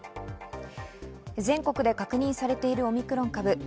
全国で確認されているオミクロン株。